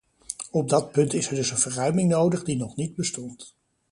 Op dat punt is er dus een verruiming nodig die nog niet bestond.